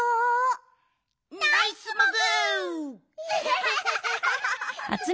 ナイスモグ！